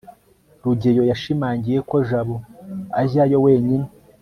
rugeyo yashimangiye ko jabo ajyayo wenyine